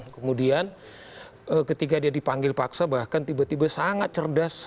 kemudian ketika dia dipanggil paksa bahkan tiba tiba sangat cerdas